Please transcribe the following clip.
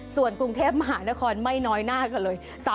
ส่วนกรุงเทพมหานครไม่น้อยหน้ากันเลย